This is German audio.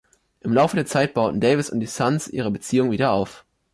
Im Laufe der Zeit bauten Davis und die Suns ihre Beziehung wieder auf.